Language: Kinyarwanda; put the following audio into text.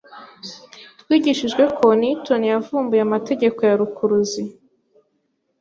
Twigishijwe ko Newton yavumbuye amategeko ya rukuruzi.